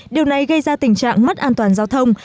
điều này gây ra tình trạng mất an toàn giao thông